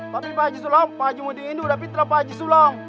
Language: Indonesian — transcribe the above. tapi pak haji sulam pak haji muda ini udah pinter pak haji sulam